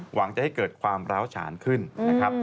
หวังจะให้เกิดความเรศชาญขึ้นนะคะ